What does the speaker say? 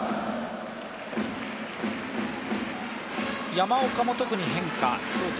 山岡も特に変化等々